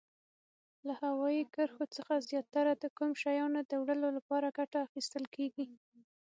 له هوایي کرښو څخه زیاتره د کوم شیانو د وړلو لپاره ګټه اخیستل کیږي؟